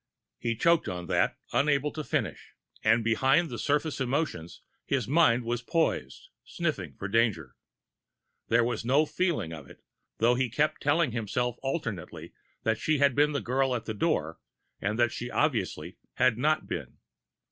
He choked on that, unable to finish. And behind the surface emotions, his mind was poised, sniffing for danger. There was no feeling of it, though he kept telling himself alternately that she had been the girl at the door and that she obviously had not been.